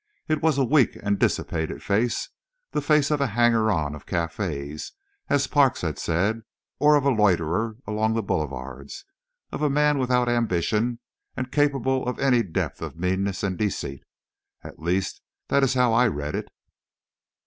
It was a weak and dissipated face, the face of a hanger on of cafés, as Parks had said of a loiterer along the boulevards, of a man without ambition, and capable of any depth of meanness and deceit. At least, that is how I read it.